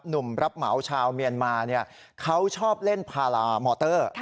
รับเหมาชาวเมียนมาเขาชอบเล่นพารามอเตอร์